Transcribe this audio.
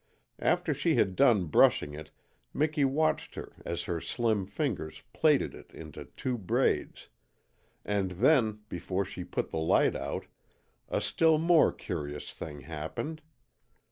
After she had done brushing it Miki watched her as her slim fingers plaited it into two braids; and then, before she put the light out, a still more curious thing happened.